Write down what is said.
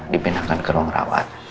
dibenarkan ke ruang rawat